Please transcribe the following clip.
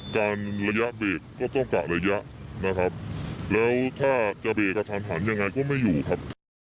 ระยะเบรกก็ต้องเกาะระยะนะครับแล้วถ้าจะเบรกกระทันหันยังไงก็ไม่อยู่ครับ